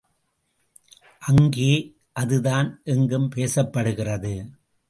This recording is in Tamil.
அங்கே அதுதான் எங்கும் பேசப்படுகிறது.